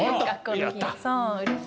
うれしい。